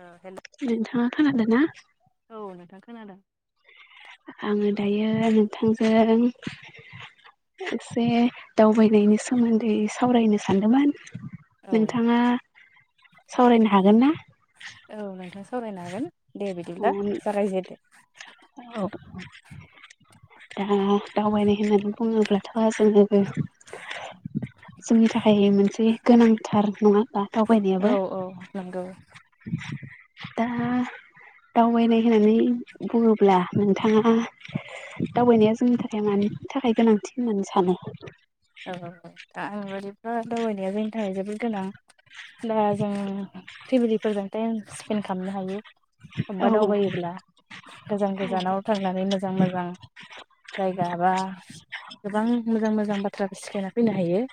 औ हेल' नोंथाङा खोनादोना? औ नोंथां खोनादों। आङो दायो नोंथांजों एसे दावबायनायनि सोमोन्दै सावरायनो सानदोंमोन। औ नोंथाङा सावरायनो हागोन ना? औ नोंथां सावरायनो हागोन दे बिदिब्ला औ जागायजेदो। दा दावबायनाय होननानै बुङोब्लाथ' जोङो जोंनि थाखाय मोनसे गोनांथार नङा बा औ दावबायनायाबो? औ नंगौ। दा दावबायनाय होननानै बुङोब्ला नोंथाङा दावबायनाया जोंनि थाखाय मानि थाखाय गोनांथि होननानै सानो? औ दा आंनि बायदिबा दावबायनाया जोंनि थाखाय जोबोद गोनां। दा जों फेमिलिफोरजों टाइम स्पेन्ड खामनो हायो। औ अबबा दावबायोब्ला गोजान गोजानाव थांनानै मोजां मोजां जाय गाबा गोबां मोजां मोजां बाथ्रा सिखायना फैनो हायो।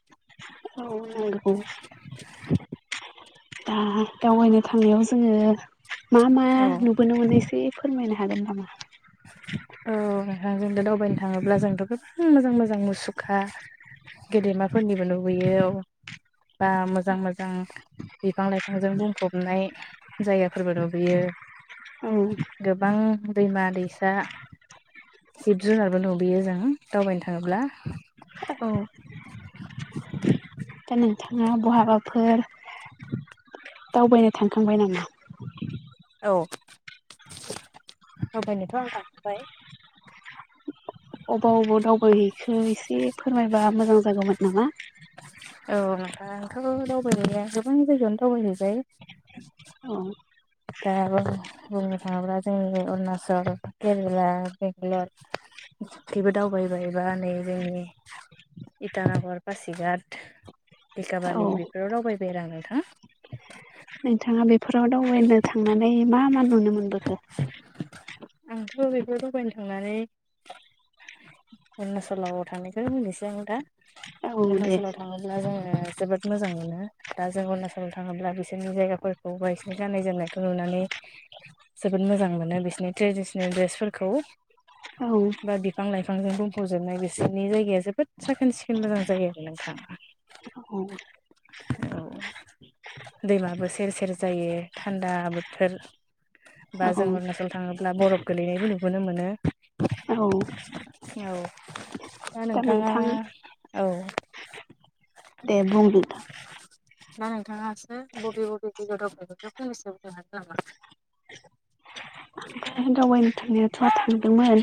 औ नोंगौ। दा दावबायनो थांनायाव जोङो मा मा औ नुबोनो मोनोसै फोरमायनो हागोन नामा? औ नोंथां जोंथ दावबायनो थाङोब्ला जोंथ गोबां मोजां मोजां मुसुखा गेदेमाफोरनिबो नुुबोयो औ बा मोजां मोजां बिफां लाइफांजों बुंफबनाय जायगाफोरबो नुबोयो। औ गोबां दैमा दै दा जिब जुनारबो नुबोयो जों दावबायनो थाङोब्ला औ। दा नोंथाङा बहाबाफोर दावबायनो थांखांबाय नामा? औ दफायनोथ आं थांबाय। अबा अबाव दावबायहैखो एसे फोरमायबा मोजां जागौमोन नामा? औ नोंथांं आंथ दावबायनाया गोबां जायगायावनो दावबायहैबाय औ। दा बुंनो थाङोब्ला जोंनि अरुनाचल केरेला बेंलर खैबो दावबायबाय बा नै जोंनि इटानगर पासिघाट औ दिखाबालिं बेफोराव दावबायबाय आरो आं नोंथां। नोंथाङा बेफोराव दावबायनो थांनानै मा मा नुनो मोनबोखो? आंथ बेफोराव दावबायायनो थांनानै अरुणाचलाव थांनायखौनो होननोसै आं दा औ दे अरुणाचलाव थाङोब्ला जोङो जोबोद मोजां मोनो। दा जों अरुणचलाव थाङोब्ला बिसोरनि जायगाफोरखौ बांसिन गाननाय जोमनायखौ नुनानै जोबोद मोजां मोनो बिसोरनि ट्रेदिसनेल द्रेसफोरखौ औ बा बिफां लाइ बिफांजों बुंफबजोबनाय बिसोरनि जायगाया जोबोद साखोन सिखोन मोजां जायो आरो नोंथां। औ। औ दैमाबो सेर सेर जायो थान्दा बोथोर औ बा जों अरुणाचल थाङोब्ला बरफ गोलैनायबो नुबोनो मोनो। औ औ दा नोंथाङा औ। दे बुंबायथा दा नोंथाङासो बबे बबे [unintelligible] फैनोसो बुंनो हागोन नामा? [unintelligible] [inaudible] दावबायनो थांनायाथ थांदोंमोन।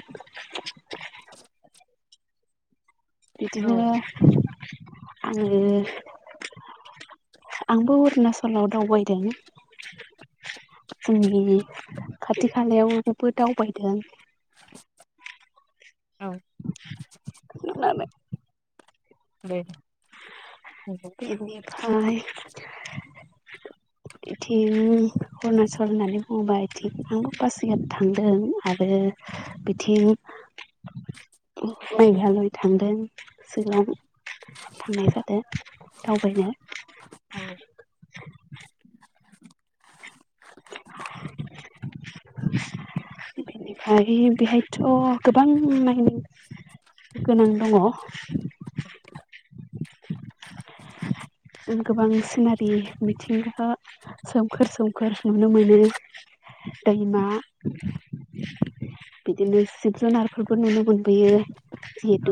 [inaudible] औ बिदिनो आङो आंबो अरुणाचलाव दावबायदों। जोंनि खाथि खालायावबो दावबायदों। औ। [unintelligible] दे। नंगौ। बिनिफाय बिथिं अरुणाचल होननानै बुङोबा बिथिं आंबो पासिगात थांदों आरो बिथिं मेघालय थांदों सिलं थांनाय जादों दावबायनो। औ बेनिफ्राय बेहायथ गोबां माने गोनां दङ [unintelligible] गोबां सिनारि मिथिंगाखो सोमखोर सोमखोर नुनो मोनो। दैमा बिदिनो जिब जुनारफोरबो नुनो मोनबोयो।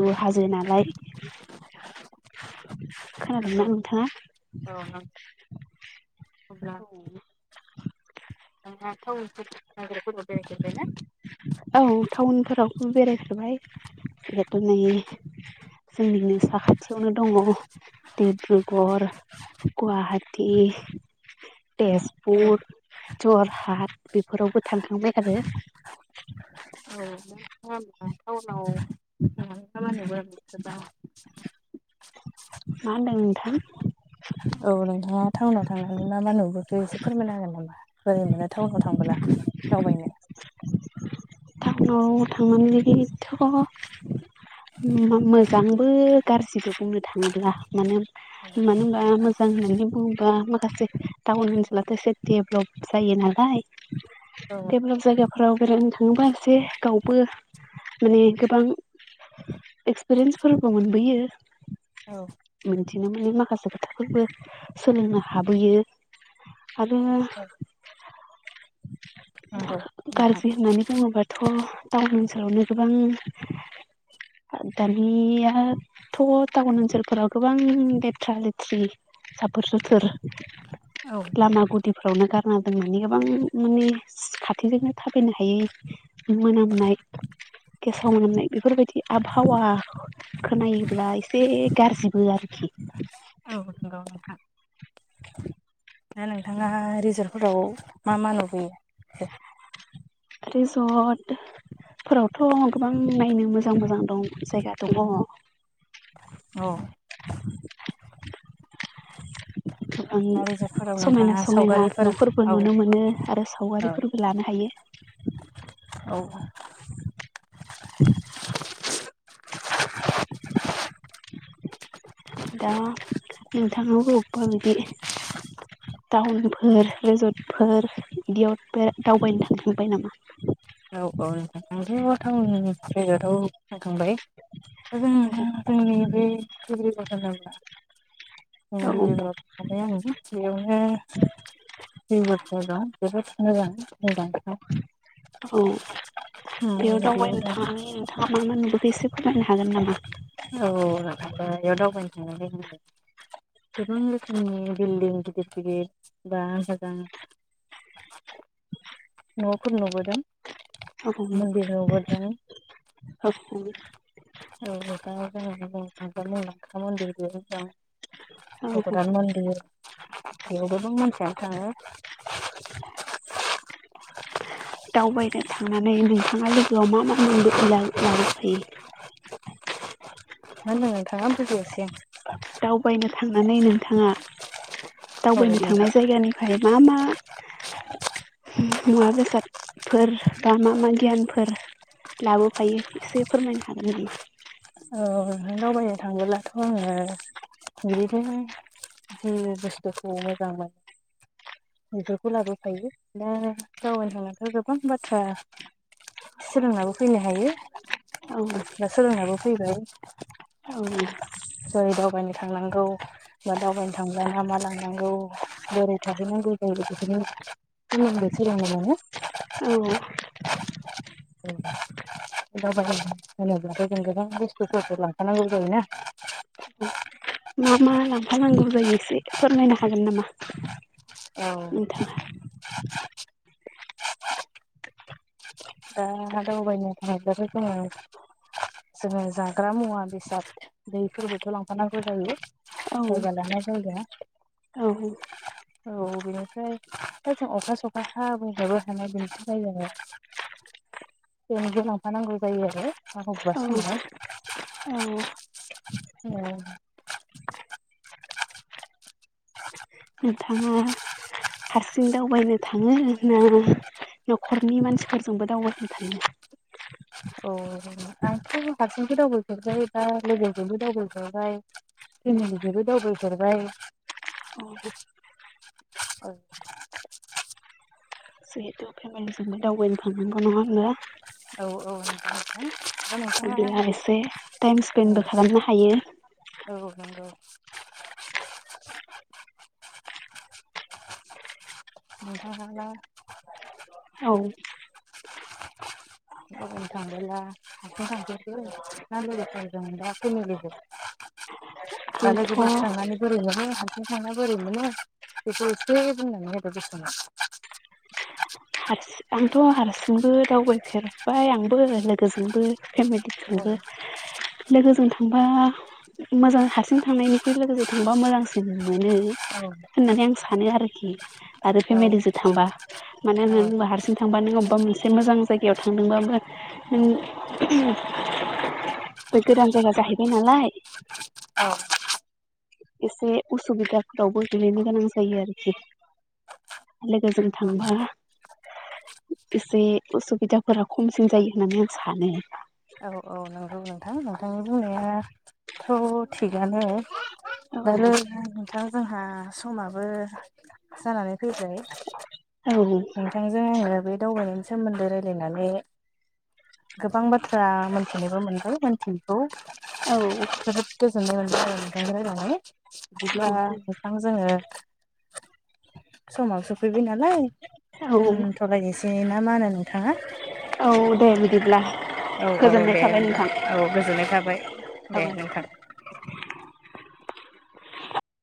औ हाजो नालाय [inaudible] नंगौ खानादोंना नोथाङा औ नंगौ अब्ला औ [inaudible] बेरायफेरबायना? औ टाउनफोराव बेरायफेरबाय [unintelligible] जोंनि ओनसोल साखाथियावनो दङ डिब्रुगर गुवाहा बादि औ तेजपुर जरहाट बेफोरावबो थांखांबाय आरो नोंथाङा टाउनाव ओम खामानिबो गोबां मा होनदों नोंथां? औ नोंथाङा टाउनाव थांनानै मा मा नुबो एसे फोरमायना होगोन नामा बोरै मोनो टाउनाव थांबोला दावबायनो। टाउनाव थांनानै बिथ' मोजांबो गारजिबो बुंनो थाङोब्ला मानो मानो होनबा मोजां होननानै बुङोबा माखासे टाउन ओनसो अब्लाथ' एसे डेभलप जायो नालाय औ डेभलप जायगाफोराव बेरायनो थाङोबा [unintelligible] गावबो माने गोबां एक्सपिरियेन्सफोरबो मोनबोयो। औ बिदिनो माने माखासे खोथाफोरबो सोलोंनो हाबोयो। आरो औ नंगौ नोंथां गाज्रि होननानै बुङोबा थ' टाउन ओनसोलावनो गोबां दानियाथ' टाउन ओनसोलफोराव गोबां लेथ्रा लेथ्रि साफोर सोथोर औ लामा गुथ दैफ्रावनो गारना [unintelligible] गोबां माने खाथिजोंनो थाबायनो हायै मोनामनाय गेसाव मोनामनाय बेफोरबायदि आबहावा खोनायोब्ला एसे गारजिबो आरो औ नंगौ नोंथां। [inaudible] दा नोंथाङा रिजर्टफोराव मा मा नुबोयो दे रिजर्ट फोरावथ' गोबां नायनो मोजां मोजां दं जायगा दङ। औ दा रिजर्टफोराव [inaudible] समायना नोंथाङा समायना सावगारिफोर न'फोरबो औ नुनो मोनो आरो औ सावगारिफोरबो लानो हायो। [inaudible] [inaudible] [inaudible] दा नोंथां बबेयाव बिदि [unintelligible] टाउनफोर रिजर्टफोर बिदियाव दावबायनो थांखांबाय नामा? औ औ नोंथां' टाउन रिजर्टयाव थांखांबाय। जों औ जोंनि बे [unintelligible] [unintelligible] रिजर्ट मानि बेयावनो रिजर्टफोरा जोबोद मोजां मोजां। औ बेयाव दावबायनो दा थांनायाव नोंथाङा मा मा नुबोखो एसे फोरमायनो हागोन नामा? औ नोंथां बेयाव दावबायनो थांनानै गोबां रोखोमनि बिल्डिं गिदिर गिदिर बा बागान [inaudible] न'फोर नुबोदों। औ मन्दिरावबो [unintelligible] औ [inaudible] [unintelligible] [unintelligible] मन्दिर औ बेयावबोथ' [unintelligible] थाङो। [inaudible] दावबायनो थांनानै नोंथाङा लोगोआव मा मा मोनबो लाबो लाबोफायो? [inaudible] मा होनदों नोंथाङा बुजियासै आं। दावबायनो थांनानै नोंथाङा आं दावबायनो औ नोंथां थांनाय जायगानिफ्राय मा मा मुवा बेसाद फोर बा मा मा गियानफोर लाबोफायो एसे फोरमायनो हागोन नामा? औ नों दावबायनो थांबोलाथ' आङो बिनो जि बुस्थुखौ मोजां मोनो बेफोरखौ लाबोफायो दा दावबायनो थांनायाथ' गोबां बाथ्रा सोलोंनाबो फैनो हायो औ बा सोलोंनाबो फैबाय औ ज दावबायनो थांनांगौ बा दावबायनो थांब्ला ना मा लानांगौ बोरै थाहैनांगौ जायो बेखौनो सोनोंदै सोलोंनो मोनो। औ [unintelligible] फ बुस्थुफोरखौ लांफानांगौ जायोना औ मा मा लांफानांगौ जायो एसे फोरमायनो हागोन नामा? दा नोंथांआ दा हब मथ जाब जोङो जाग्रा मुवा बेसाद दैफोरबोथ' लांफानांगौ जायो। औ जायगा लाना जायग औ औ बेनिफ्राय दा जों अखा सखा हाबोनबो हानाय बेनि थाखाय जोङो [inaudible] बेनो गो लांफानांगौ जायो आरो माबेबा औ समाव औ उम नोंथाङा हारसिं दावबायनो थाङो ना न'खरनि मानसिफोरजोंबो दावबायनो थानो अ आंथ' हारसिंस दावगहेरबाय बा लोगोजोंबो दावबायफेरबाय फेमिलिजोंबो दावबायफेरबाय औ [unintelligible] जिहेथु फेमिलिजोंबो दावबायनो थांनांगौ नङा होनबा औ औ नोंथां दा बि एसे टाइम स्पेन्बो खालामनो हायो। नोंथाङा औ नंगौ [inaudible] नोंथांआलाय औ बबे थांला हारसिं थांफेरबो ना लोगोफोर जों दा फेमिलिजों [inaudible] दा आंथ' लोगोफोर थांनानै बोरै मोनो? ना हारसिं थांना बोरै मोनो बेखौ एसे बुंनानै होदो बेखेवना हारसिं आंथ' हारसिंबो दावबायफेरबाय आंबो लोगोजोंबो औ फेमिलिजोंबो लोगोजों थांबा मोजां हारसिं थांनायनिख्रुइ लोगोजों थांबा मोजांसिन मोनो होननानै आं सानो आरोखि आरो फेमिलिजों थांबा मानो औ होननानै बुंबा बा नों अबेबा मोनसे मोजां जयगायाव थांदोंबाबो बे गोदान जायगा जाहैबाय नालाय औ एसे उसुबिदाफोरावबो दैेलैनो गोनां जायो आरोखि लोगोजों औ थांबा एसे उसुबिदाफोरा खमसिन जायो होननानै आं सानो औ औ नंगौ नोंथां नोंथांनि बुंनायाथ' थिगानो [unintelligible] नोंथां जोंहा समाबो जानानै फैबायबाय औ नोंथांजों आङो बे दावबायनायनि सोमोन्दै राय रायलायनानै गोबां बाथ्रा मोनथिनोबो मोनबाय मोनथियिखौ औ गोजोननाय मोनबाय आरो नोंथां रनानै बिदिब्ला नोंथां जोङो समाव सफैबि नालाय औ दोनथ'लायनोसै ना मा होनो नोंथाङा दिब्ला औ औ दे होनब्ला औ गोजोननाय थाबाय दे औ नोंथां